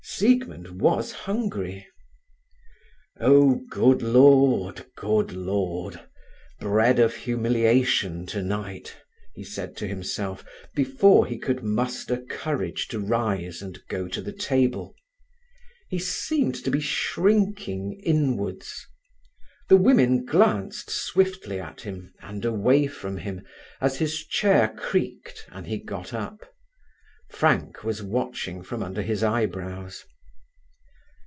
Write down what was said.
Siegmund was hungry. "Oh, good Lord, good Lord! bread of humiliation tonight!" he said to himself before he could muster courage to rise and go to the table. He seemed to be shrinking inwards. The women glanced swiftly at him and away from him as his chair creaked and he got up. Frank was watching from under his eyebrows.